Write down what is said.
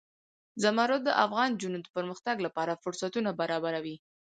زمرد د افغان نجونو د پرمختګ لپاره فرصتونه برابروي.